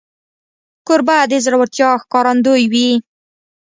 کوربه د زړورتیا ښکارندوی وي.